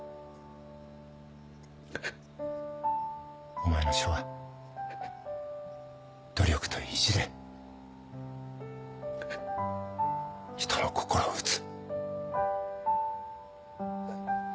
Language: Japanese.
お前の書は努力と意地で人の心を打つ。